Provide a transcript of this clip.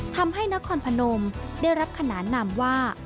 ทำให้นครพนมได้รับขนานนำว่า